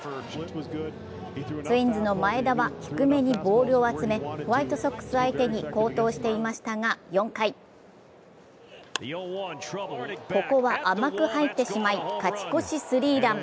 ツインズの前田は低めにボールを集めホワイトソックス相手に好投していましたが４回ここは甘く入ってしまい勝ち越しスリーラン。